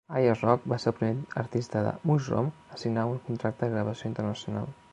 Ayers Rock va ser el primer artista de Mushroom a signar un contracte de gravació internacional.